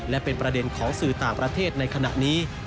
และเป็นประเด็นของสื่อต่างประเทศในขณะนี้